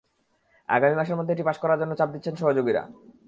আগামী মাসের মধ্যে এটি পাস করা জন্য চাপ দিচ্ছেন তাঁর সহযোগীরা।